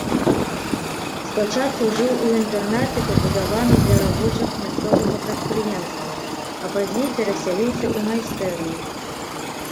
Спачатку жыў у інтэрнаце, пабудаваным для рабочых мясцовага прадпрыемства, а пазней перасяліўся ў майстэрню.